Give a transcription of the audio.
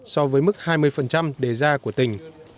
so với mức hai mươi đề ra của tỉnh